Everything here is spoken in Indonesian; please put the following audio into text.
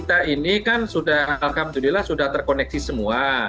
dari kita kalau misalnya menggunakan nik itu sudah terkoneksi semua